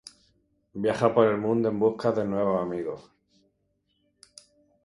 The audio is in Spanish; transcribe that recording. Viaja por el mundo en busca de nuevos amigos.